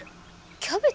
キャベツ？